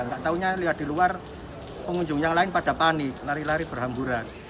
nggak tahunya lihat di luar pengunjung yang lain pada panik lari lari berhamburan